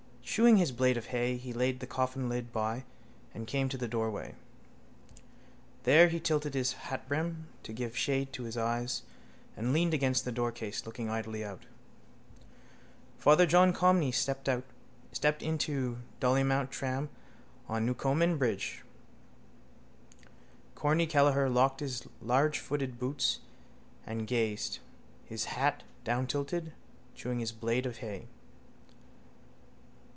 Chewing his blade of hay he laid the coffinlid by and came to the doorway. There he tilted his hatbrim to give shade to his eyes and leaned against the doorcase, looking idly out. Father John Conmee stepped into the Dollymount tram on Newcomen bridge. Corny Kelleher locked his largefooted boots and gazed, his hat downtilted, chewing his blade of hay.